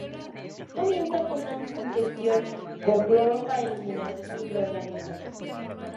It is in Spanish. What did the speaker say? Comienza con una desinfección con cloro para eliminar microorganismos.